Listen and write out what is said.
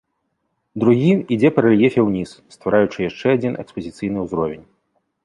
Другі ідзе па рэльефе ўніз, ствараючы яшчэ адзін экспазіцыйны ўзровень.